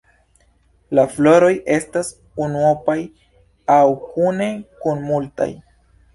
La floroj estas unuopaj aŭ kune kun multaj.